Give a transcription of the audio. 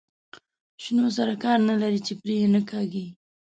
شنو سره کار نه لري چې پرې یې نه کاږي.